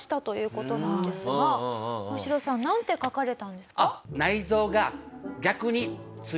大城さんなんて書かれたんですか？